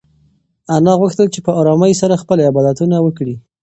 انا غوښتل چې په ارامۍ سره خپل عبادتونه وکړي.